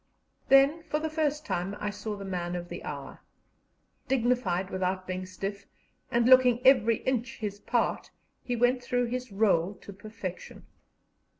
Then, for the first time, I saw the man of the hour; dignified without being stiff, and looking every inch his part, he went through his rôle to perfection.